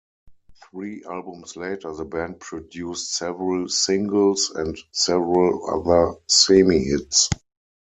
Three albums later, the band produced several singles and several other semi-hits.